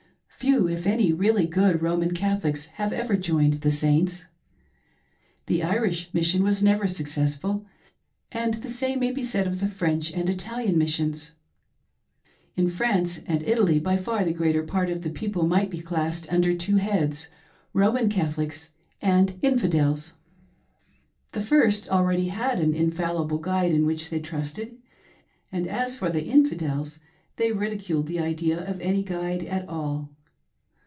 Few, if any, really good Roman Catholics have ever joined the Saints. The Irish Mission was never successful, and the same may be said of the French and Italian Missions. In France and Italy by far the greater part of the people might be classed under two heads — Roman Catholics, and infidels. The first had already an infallible guide in which they trusted, and as for the infidels, they ridiculed the idea of any guide at all.